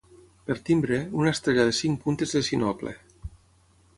Per timbre, una estrella de cinc puntes de sinople.